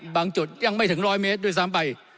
จุดยังไม่ถึง๑๐๐เมตรด้วยซ้ำไป